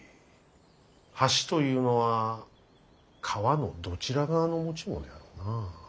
橋というのは川のどちら側の持ち物であろうな。